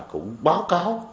cũng báo cáo